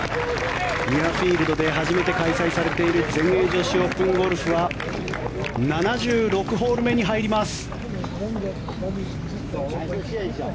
ミュアフィールドで初めて開催されている全英女子オープンゴルフは７６ホール目に入ります。